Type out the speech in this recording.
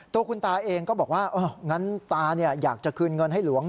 ตัวคุณตาเองก็บอกว่างั้นตาอยากจะคืนเงินให้หลวง